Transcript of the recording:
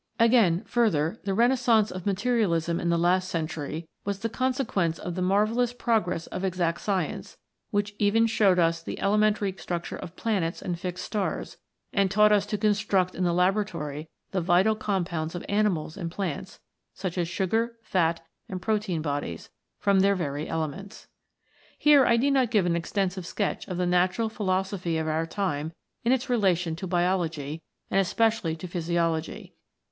Again, further, the renaissance of Materialism in the last century was the consequence of the marvellous progress of Exact Science, which even showed us the elementary structure of planets and fixed stars, and taught us to construct in the laboratory the vital compounds of animals and plants, such as sugar, fat, and protein bodies, from their very elements. Here I need not give an extensive sketch of the Natural Philosophy of our time in its relation to Biology, and especially to Physiology.